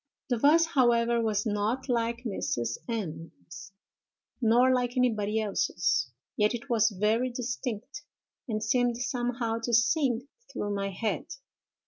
"'The voice, however, was not like Mrs. M——'s, nor like anybody else's, yet it was very distinct, and seemed somehow to sing through my head.